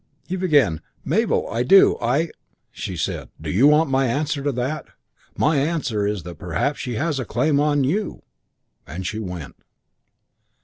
"He began, 'Mabel, I do. I ' "She said, 'Do you want my answer to that? My answer is that perhaps she has a claim on you!' "And she went."